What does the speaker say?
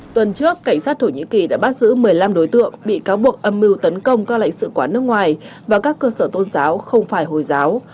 tuần trước cảnh sát thổ nhĩ kỳ đã bắt giữ một mươi năm đối tượng bị cáo buộc âm mưu tấn công các lãnh sự quán nước ngoài và các cơ sở tôn giáo không phải hồi giáo